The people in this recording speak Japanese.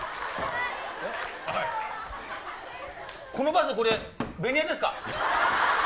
このバスこれベニヤですか？